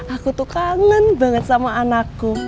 aku tuh kangen banget sama anakku